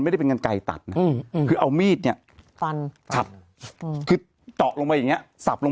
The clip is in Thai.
ไม่ได้เป็นกันไกลตัดนะคือเอามีดเนี่ยฟันขับคือเจาะลงไปอย่างนี้สับลง